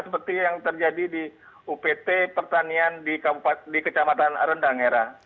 seperti yang terjadi di upt pertanian di kecamatan rendangera